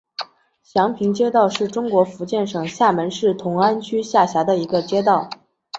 祥平街道是中国福建省厦门市同安区下辖的一个街道。